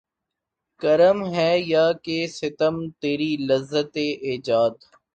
کرم ہے یا کہ ستم تیری لذت ایجاد